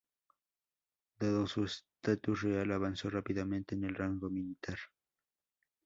Dado su estatus real, avanzó rápidamente en el rango militar.